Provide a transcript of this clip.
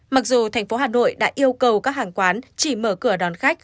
mặc dù thành phố hà nội đã yêu cầu các hàng quán chỉ mở cửa đón khách